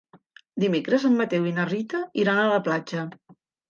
Dimecres en Mateu i na Rita iran a la platja.